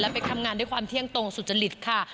ไปทำงานด้วยความเที่ยงตรงสุจริตค่ะ